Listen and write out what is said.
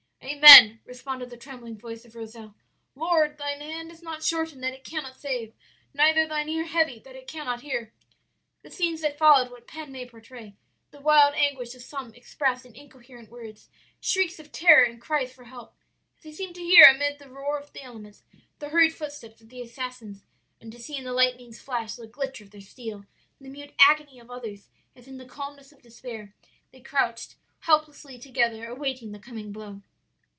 "'Amen!' responded the trembling voice of Rozel. 'Lord, Thine hand is not shortened that it cannot save, neither Thine ear heavy that it cannot hear!' "The scenes that followed what pen may portray! the wild anguish of some expressed in incoherent words, shrieks of terror, and cries for help, as they seemed to hear amid the roar of the elements the hurried footsteps of the assassins, and to see in the lightning's flash the glitter of their steel; the mute agony of others as in the calmness of despair they crouched helplessly together awaiting the coming blow.